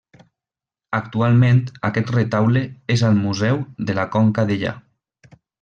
Actualment aquest retaule és al Museu de la Conca Dellà.